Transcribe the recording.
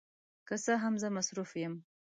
که څه هم، زه مصروف یم.